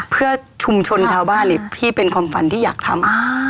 เพื่อชุมชนชาวบ้านเนี่ยพี่เป็นความฝันที่อยากทำ